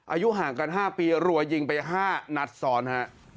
อายุห่างกันห้าปีรัวยยิงไปห้านัดซอนฮะ